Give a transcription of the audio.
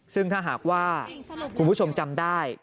ซึ่งถ้าหากว่าคุณผู้ชมจำได้